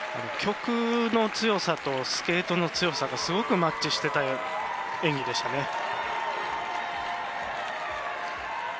曲の強さとスケートの強さがすごくマッチしてた演技でしたね。